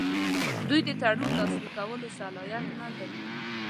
دوی د تړون لاسلیک کولو صلاحیت نه درلود.